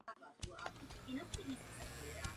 Nastoupil do sklářské výroby.